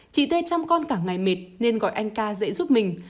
chị t trăm con cả ngày mệt nên gọi anh k dễ giúp mình